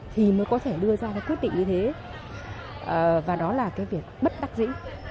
thì mới có thể đưa ra quyết định như thế và đó là việc bất đắc dĩ